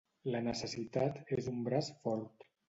La necessitat és un braç fort.